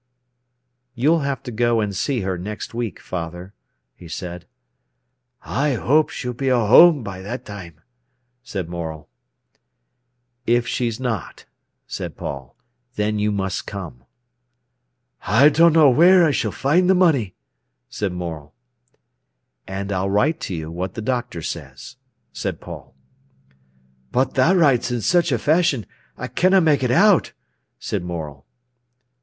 "You'll have to go and see her next week, father," he said. "I hope she'll be a whoam by that time," said Morel. "If she's not," said Paul, "then you must come." "I dunno wheer I s'll find th' money," said Morel. "And I'll write to you what the doctor says," said Paul. "But tha writes i' such a fashion, I canna ma'e it out," said Morel.